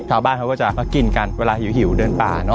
ชาวบ้านเขาก็จะกินกันเวลาหิวเดินป่าเนอ